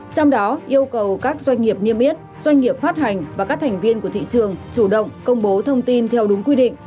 trong đó yêu cầu các doanh nghiệp niêm yết doanh nghiệp phát hành và các thành viên của thị trường chủ động công bố thông tin theo đúng quy định